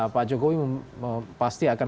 pak jokowi pasti akan